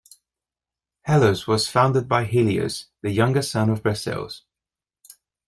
Helos was founded by Helios, the younger son of Perseus.